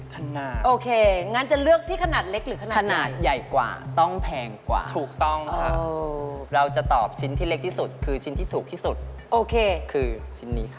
ขนาดโอเคงั้นจะเลือกที่ขนาดเล็กหรือขนาดขนาดใหญ่กว่าต้องแพงกว่าถูกต้องค่ะเราจะตอบชิ้นที่เล็กที่สุดคือชิ้นที่ถูกที่สุดโอเคคือชิ้นนี้ค่ะ